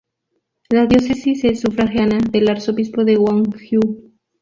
La diócesis es sufragánea del Arzobispo de Gwangju.